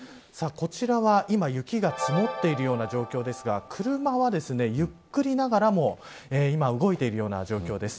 こちらは今、雪が積もっている状況ですが車は、ゆっくりながらも今、動いているような状況です。